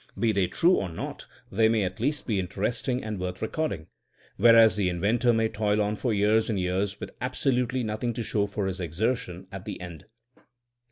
Be they true or not they may at least be interesting and worth recording, whereas the inventor may toil on for years and years with absolutely nothing to show for his exertion at the end.